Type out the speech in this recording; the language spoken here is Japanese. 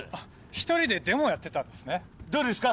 一人でデモやってたんですねどうですか？